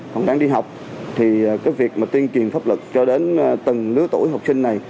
còn đang đi học thì cái việc mà tuyên truyền pháp luật cho đến từng lứa tuổi học sinh này